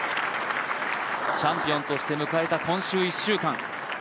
チャンピオンとして迎えた今週１週間。